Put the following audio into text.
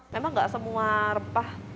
memang enggak semua rempah